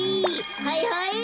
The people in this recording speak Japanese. はいはい。